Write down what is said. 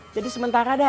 jadi sementara dah